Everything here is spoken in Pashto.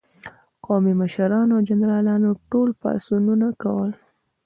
قومي مشرانو او جنرالانو ټول پاڅونونه کول.